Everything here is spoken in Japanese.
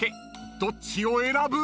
どっちを選ぶ⁉］